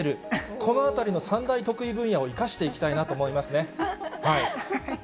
このあたりの３大得意分野を生かしていきたいなと思いますね。